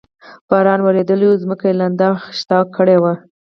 باران ورېدلی و، ځمکه یې لنده او خټینه کړې وه.